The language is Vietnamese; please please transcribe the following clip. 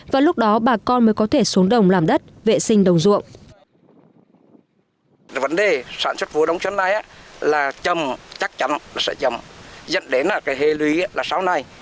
và lúc đó xã triệu trạch đã gây ngập ống toàn bộ các cánh đồng của xã